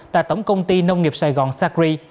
tại tổng công ty nông nghiệp sài gòn sacri